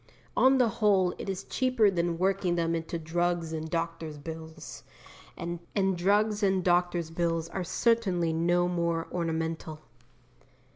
On the whole it is cheaper than working them into drugs and doctors' bills, and drugs and doctors' bills are certainly no more ornamental.